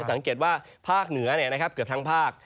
สังเกตว่าภาคเหนือเกือบทั้งภาค